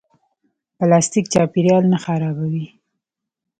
پلاستیک چاپیریال نه خرابوي